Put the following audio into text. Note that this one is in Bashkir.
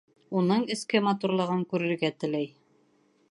Уның эске матурлығын күрергә теләй.